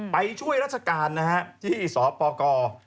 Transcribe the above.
ไปช่วยราชการที่สปก